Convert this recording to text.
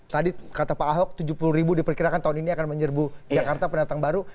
tadi kata pak ahok tujuh puluh ribu diperkirakan tahun ini akan menyerbu jakarta pendatang baru